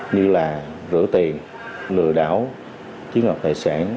như là rửa tiền lừa đảo chiếm đoạt tài sản